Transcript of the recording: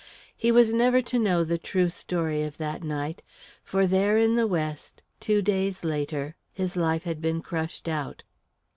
He was never to know the true story of that night, for there in the West, two days later, his life had been crushed out.